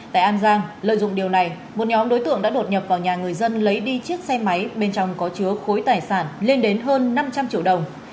tại an giang lợi dụng điều này một nhóm đối tượng đã đột nhập vào nhà người dân lấy đi chiếc xe máy bên trong có chứa khối tài sản lên đến hơn năm trăm linh triệu đồng